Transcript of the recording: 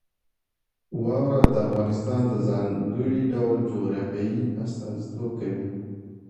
واوره د افغانستان د ځانګړي ډول جغرافیې استازیتوب کوي.